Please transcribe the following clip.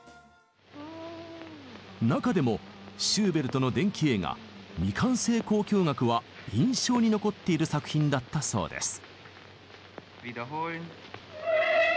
中でもシューベルトの伝記映画「未完成交響楽」は印象に残っている作品だったそうです。